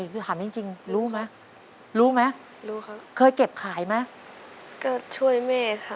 คือถามจริงรู้ไหม